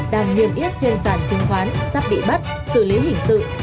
đang nghiêm yết trên sàn chứng khoán sắp bị bắt xử lý hình sự